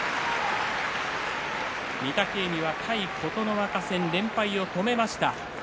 御嶽海は対琴ノ若戦連敗を止めました。